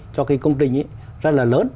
cho cái công trình rất là lớn